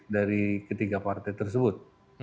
dari ketiga partai tersebut